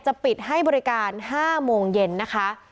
ปิดให้บริการ๕โมงเย็นนะคะ